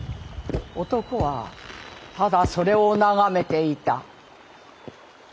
男はただそれを眺めていた。